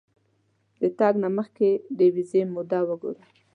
د تګ نه مخکې د ویزې موده وګوره.